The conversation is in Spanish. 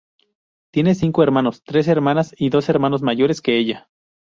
Tiene cinco hermanos: tres hermanas y dos hermanos mayores que ella.